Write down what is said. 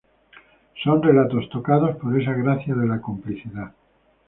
Son relatos tocados por esa gracia de la complicidad".